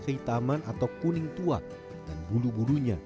kehitaman atau kuning tua dan bulu bulunya